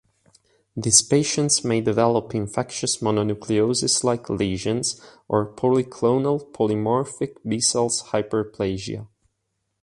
These patients may develop infectious mononucleosis-like lesions or polyclonal polymorphic B-cell hyperplasia.